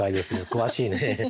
詳しいね。